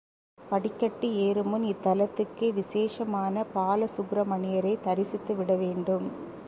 படிக்கட்டு ஏறுமுன் இத்தலத்துக்கே விசேஷமான பாலசுப்பிரமணியரைத் தரிசித்து விட வேண்டும்.